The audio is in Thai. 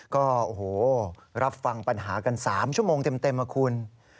ก็รับฟังปัญหากัน๓ชั่วโมงเต็มคุณ